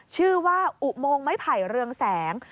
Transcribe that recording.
ชื่อว่าอุโมงไม้ไผ่เรืองแสง